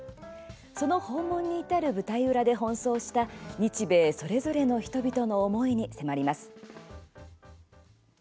その訪問に至る舞台裏で奔走した日米それぞれの人々の思いに迫ります。